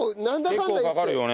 結構かかるよね。